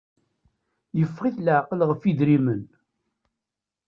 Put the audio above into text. Yeffeɣ-it laɛqel ɣef idrimen.